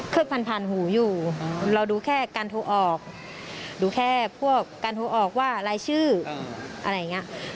ผ่านผ่านหูอยู่เราดูแค่การโทรออกดูแค่พวกการโทรออกว่ารายชื่ออะไรอย่างนี้